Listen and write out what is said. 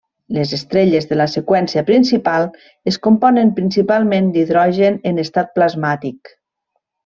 Les estrelles de la seqüència principal es componen principalment d'hidrogen en estat plasmàtic.